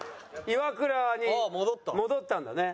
イワクラに戻ったんだね。